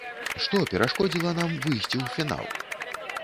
Што перашкодзіла нам выйсці ў фінал?